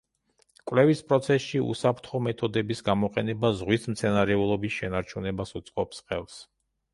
კვლევის პროცესში უსაფრთხო მეთოდების გამოყენება ზღვის მცენარეულობის შენარჩუნებას უწყობს ხელს.